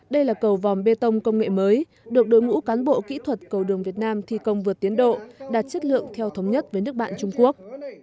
đây là cầu vòng bê tông công nghệ mới được đối ngũ cán bộ kỹ thuật cầu đường việt nam thi công vượt tiến độ đạt chất lượng theo thống nhất với nước bạn trung quốc